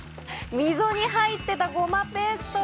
溝に入ってたゴマペーストが。